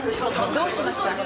どうしました？